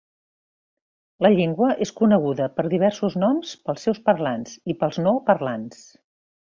La llengua és coneguda per diversos noms pels seus parlants i pels no parlants.